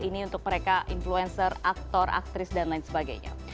ini untuk mereka influencer aktor aktris dan lain sebagainya